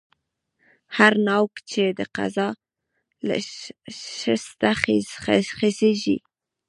هر ناوک چې د قضا له شسته خېژي